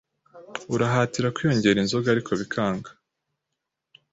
Urahatira kwiyongera inzoga ariko bikanga